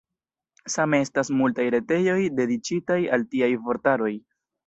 Same estas multaj retejoj dediĉitaj al tiaj vortaroj.